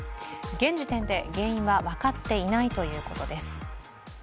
現時点で原因は分かっていないということです。